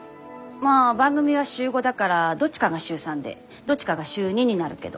まあ番組は週５だからどっちかが週３でどっちかが週２になるけど。